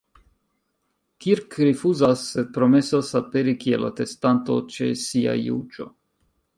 Kirk rifuzas, sed promesas aperi kiel atestanto ĉe sia juĝo.